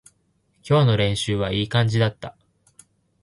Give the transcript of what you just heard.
今日の練習はいい感じだった